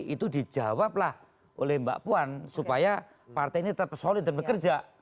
itu dijawablah oleh mbak puan supaya partai ini tetap solid dan bekerja